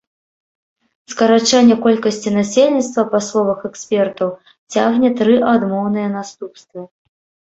Скарачэнне колькасці насельніцтва, па словах экспертаў, цягне тры адмоўныя наступствы.